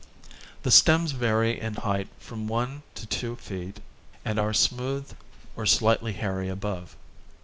The stems vary in height from one to two feet and are smooth or slightly hairy above.